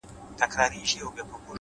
هوښیار انسان له خاموشیو هم معنا اخلي,